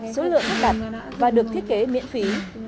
số lượng đặt và được thiết kế miễn phí